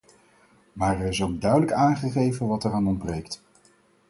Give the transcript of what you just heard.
Maar er is ook duidelijk aangegeven wat eraan ontbreekt.